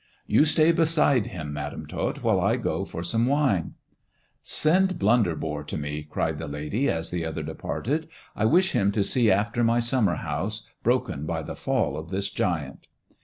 You stay beside him. Madam Tot, while I gc for some wine." " Send Blunderbore to me," cried the lady, as the othec departed. "I wish him to see after my summer house, broken by the fall of this giant."